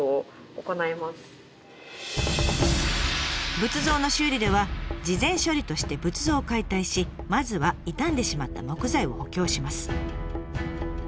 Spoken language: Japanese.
仏像の修理では事前処理として仏像を解体しまずは傷んでしまった木材を補強します。